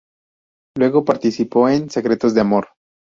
Luego participó en "Secretos de amor".